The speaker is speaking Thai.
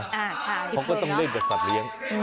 ก็ต้องกำลังเล่นกับสัตว์เลี้ยง